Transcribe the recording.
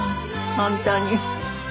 本当に。